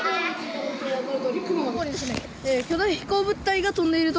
巨大飛行物体が飛んでいるとの。